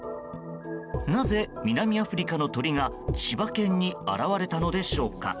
なぜ、南アフリカの鳥が千葉県に現れたのでしょうか。